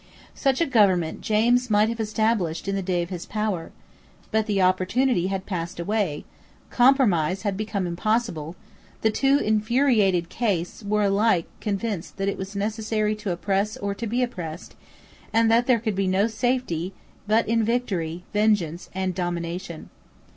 Such a government James might have established in the day of his power. But the opportunity had passed away: compromise had become impossible: the two infuriated castes were alike convinced that it was necessary to oppress or to be oppressed, and that there could be no safety but in victory, vengeance, and dominion.